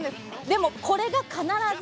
でもこれが必ず。